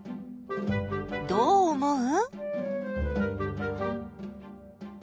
どう思う？